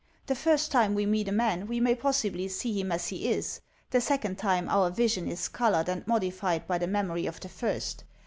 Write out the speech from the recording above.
The first time we meet a man we may possibly see him as he is; the second time our vision is colored and modified by the memory of the first.